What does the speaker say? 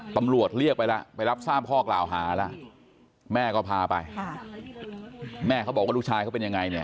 ตำรวจเรียกไปแล้วไปรับทราบข้อกล่าวหาแล้วแม่ก็พาไปค่ะแม่เขาบอกว่าลูกชายเขาเป็นยังไงเนี่ย